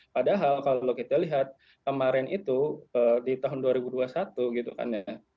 padahal kalau kita lihat kemarin itu di tahun dua ribu dua puluh satu gitu kan ya